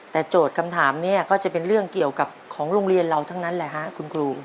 แต่โจทย์คำถามนี้ก็จะเป็นเรื่องเกี่ยวกับของโรงเรียนเราทั้งนั้นแหละฮะคุณครู